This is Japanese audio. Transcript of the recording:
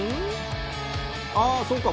ああそうか。